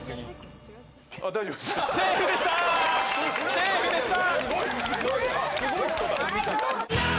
セーフでした！